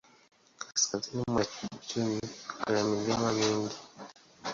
Kaskazini mwa nchi kuna milima mingi.